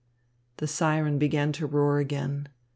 The siren began to roar again.